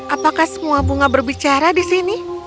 apakah semua bunga berbicara di sini